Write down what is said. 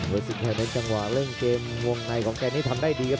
สินชัยนั้นจังหวะเร่งเกมวงในของแกนี่ทำได้ดีครับ